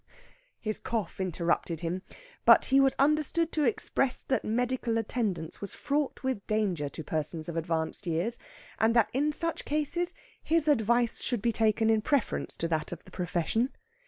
His cough interrupted him, but he was understood to express that medical attendance was fraught with danger to persons of advanced years, and that in such cases his advice should be taken in preference to that of the profession.